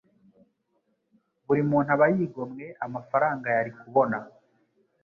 buri muntu aba yigomwe amafaranga yari kubona,